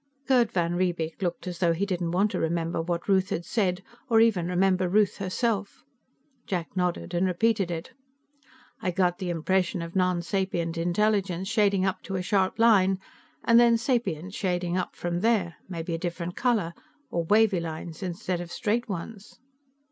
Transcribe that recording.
Gerd van Riebeek looked as though he didn't want to remember what Ruth had said, or even remember Ruth herself. Jack nodded, and repeated it. "I got the impression of non sapient intelligence shading up to a sharp line, and then sapience shading up from there, maybe a different color, or wavy lines instead of straight ones."